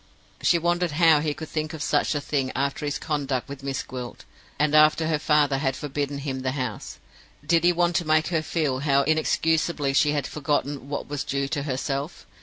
She wondered how he could think of such a thing after his conduct with Miss Gwilt, and after her father had forbidden him the house! Did he want to make her feel how inexcusably she had forgotten what was due to herself?